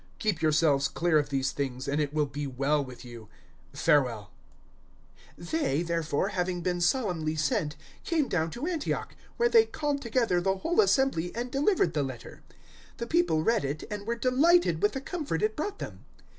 Keep yourselves clear of these things, and it will be well with you. Farewell." 015:030 They, therefore, having been solemnly sent, came down to Antioch, where they called together the whole assembly and delivered the letter. 015:031 The people read it, and were delighted with the comfort it brought them.